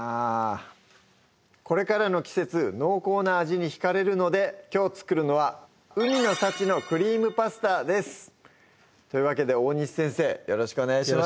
これからの季節濃厚な味にひかれるのできょう作るのは「海の幸のクリームパスタ」ですというわけで大西先生よろしくお願いします